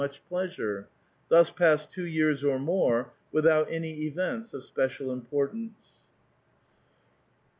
much pleasure. Thus passed two years or more, without any events of special importance.